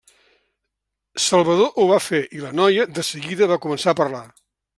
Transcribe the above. Salvador ho va fer i la noia, de seguida, va començar a parlar.